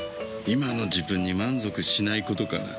今の自分に満足しないことかな。